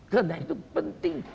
karena itu penting